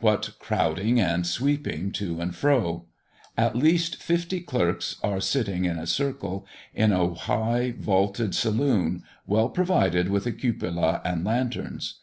What crowding and sweeping to and fro. At least fifty clerks are sitting in a circle in a high vaulted saloon, well provided with a cupola and lanterns.